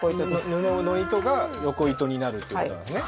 布の糸が緯糸になるっていうことなんですね？